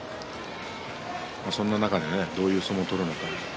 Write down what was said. そんな中でどういう相撲を取るのか。